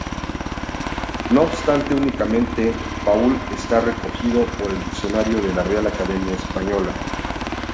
No obstante, únicamente paúl está recogido por el Diccionario de la Real Academia Española.